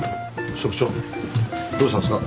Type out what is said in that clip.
職長どうしたんすか？